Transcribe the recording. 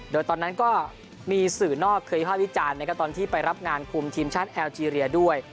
โดยตอนนั้นก็มีสื่อนอกเคยภาพวิจารณ์นะครับตอนที่ไปรับงานคุมทีมชาติแอลเจรียด้วย